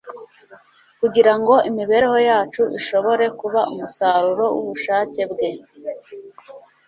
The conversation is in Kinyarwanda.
kugira ngo imibereho yacu ishobore kuba umusaruro w’ubushake Bwe